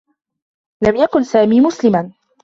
لم يكن سامي مسلما.